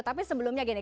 tapi sebelumnya gini